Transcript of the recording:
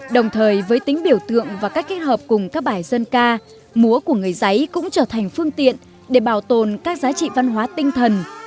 đồng thời với tính biểu tượng và cách kết hợp cùng các bài dân ca múa của người giấy cũng trở thành phương tiện để bảo tồn các giá trị văn hóa tinh thần